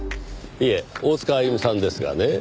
いえ大塚あゆみさんですがね